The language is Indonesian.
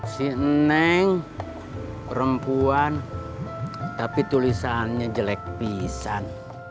sineng perempuan tapi tulisannya jelek pisan